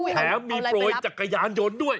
แถมมีโปรยจักรยานยนต์ด้วย